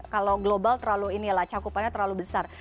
kalau global terlalu inilah cakupannya terlalu besar